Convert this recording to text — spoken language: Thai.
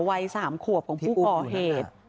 วัย๓ขวบของผู้ก่อเหตุ